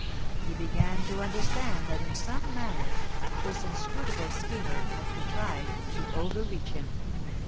He began to understand that in some manner this inscrutible schemer had contrived to overreach him.